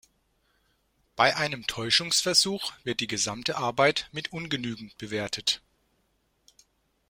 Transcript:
Bei einem Täuschungsversuch wird die gesamte Arbeit mit ungenügend bewertet.